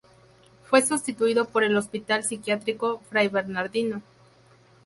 Fue sustituido por el Hospital Psiquiátrico Fray Bernardino.